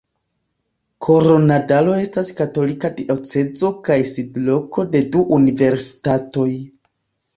Koronadalo estas katolika diocezo kaj sidloko de du universitatoj.